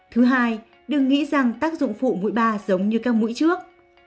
thứ hai đừng nghĩ rằng tác dụng phụ mũi ba giống như các mũi trước